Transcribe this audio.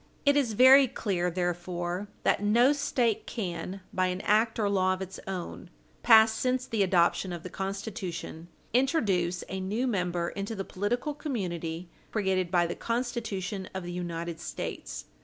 It is very clear, therefore, that no State can, by any act or law of its own, passed since the adoption of the Constitution, introduce a new member into the political community created by the Constitution of the United States.